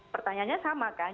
pertanyaannya sama kan